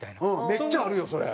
めっちゃあるよそれ。